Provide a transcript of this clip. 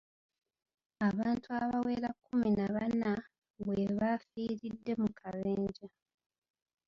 Abantu abawera kumi na bana bwe bafiiridde mu kabenje.